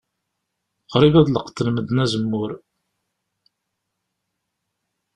Qrib ad leqḍen medden azemmur.